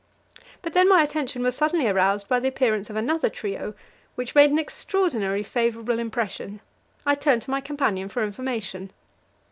But then my attention was suddenly aroused by the appearance of another trio, which made an extraordinary favourable impression. I turned to my companion for information.